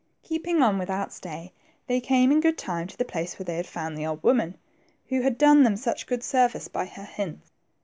Keeping on without stay, they came in good time to the place where they had found the old woman who had done them such good service by her hints.